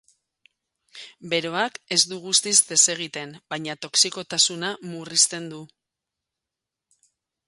Beroak ez du guztiz desegiten, baina toxikotasuna murrizten du.